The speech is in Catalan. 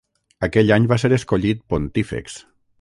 Aquell any va ser escollit pontífex.